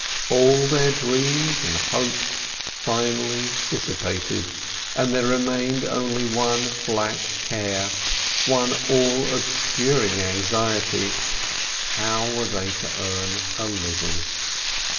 All their dreams and hopes finally dissipated, and there remained only one black care, one all obscuring anxiety: how were they to earn a living?